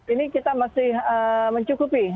ini kita masih mencukupi